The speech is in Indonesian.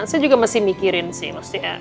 saya juga masih mikirin sih mbak stia